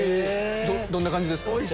どんな感じですか？